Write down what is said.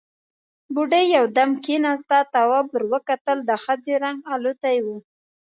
بوډۍ يودم کېناسته، تواب ور وکتل، د ښځې رنګ الوتی و.